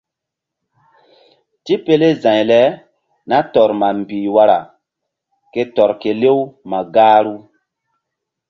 Tipele za̧y le nah tɔr ma mbih wara ke tɔr kelew ma gahru.